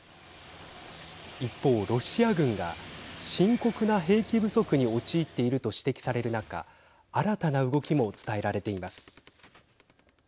一方、ロシア軍が深刻な兵器不足に陥っていると指摘される中新たな動きも伝えられています。